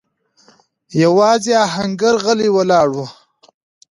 يواځې آهنګر غلی ولاړ و.